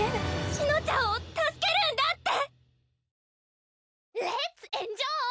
紫乃ちゃんを助けるんだって！